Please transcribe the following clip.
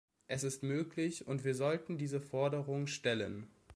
Es ist möglich und wir sollten diese Forderung stellen.